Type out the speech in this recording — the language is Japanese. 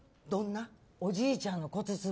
おじいちゃんの骨つぼ。